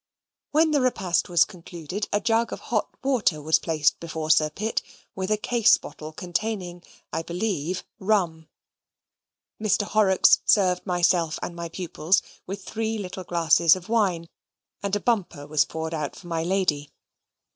When the repast was concluded a jug of hot water was placed before Sir Pitt, with a case bottle containing, I believe, rum. Mr. Horrocks served myself and my pupils with three little glasses of wine, and a bumper was poured out for my lady.